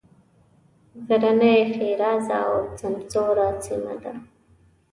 غرنۍ ښېرازه او سمسوره سیمه ده.